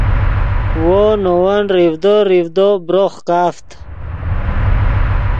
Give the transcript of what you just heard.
وو نے ون ریڤدو ریڤدو بروخ کافت